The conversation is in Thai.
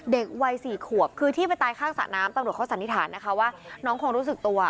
เด็กวัย๔ขวบคือที่ไปตายข้างสระน้ำตำรวจเขาสันนิษฐานนะคะว่าน้องคงรู้สึกตัว